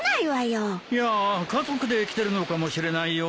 いや家族で来てるのかもしれないよ。